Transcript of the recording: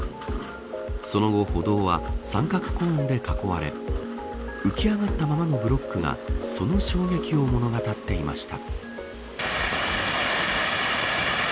その後、歩道は三角コーンで囲われ浮き上がったままのブロックがその衝撃を物語っていました。